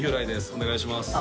お願いします。